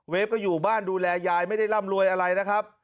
ฟก็อยู่บ้านดูแลยายไม่ได้ร่ำรวยอะไรนะครับ